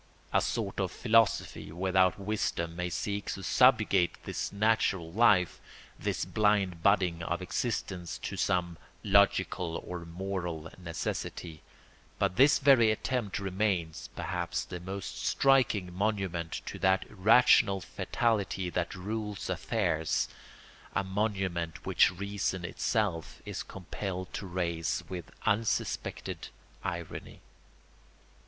A sort of philosophy without wisdom may seek to subjugate this natural life, this blind budding of existence, to some logical or moral necessity; but this very attempt remains, perhaps, the most striking monument to that irrational fatality that rules affairs, a monument which reason itself is compelled to raise with unsuspected irony.